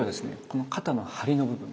この肩の張りの部分。